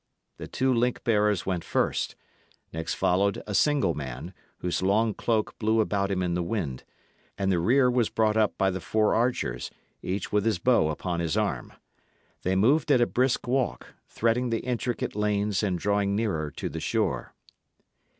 The two link bearers went first; next followed a single man, whose long cloak blew about him in the wind; and the rear was brought up by the four archers, each with his bow upon his arm. They moved at a brisk walk, threading the intricate lanes and drawing nearer to the shore.